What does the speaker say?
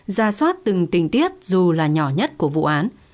ra soát từng tình tiết dù là nhỏ nhất của vụ án